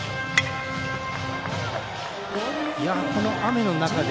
この雨の中で。